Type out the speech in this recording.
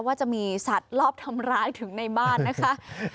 ว่าจะมีสัตว์รอบทำร้ายถึงในบ้านนะคะ